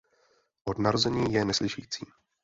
Od narození je neslyšící.